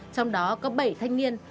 trong đó có bảy thanh niên